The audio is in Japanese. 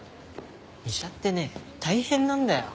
医者ってね大変なんだよ。